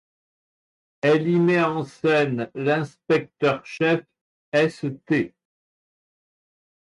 Elle y met en scène l'inspecteur-chef St.